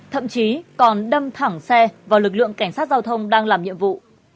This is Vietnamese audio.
thậm chí còn đâm thẳng xe vào lực lượng cảnh sát giao thông đang làm nhiệm vụ